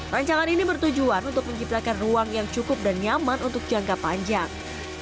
rancangan ini bertujuan untuk menciptakan ruang yang cukup dan nyaman untuk jangka panjang